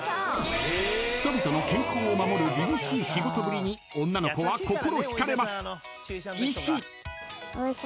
［人々の健康を守るりりしい仕事ぶりに女の子は心引かれます］